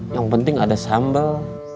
yang penting ada sambal